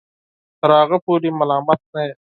تر هغه پورې ملامت نه یې